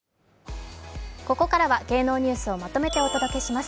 ここからは芸能ニュースをまとめてお届けします